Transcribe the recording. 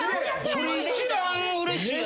それ一番うれしいやつや。